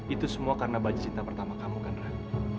itu semua karena baja cinta pertama kamu kan rah